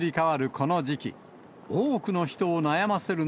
この時期。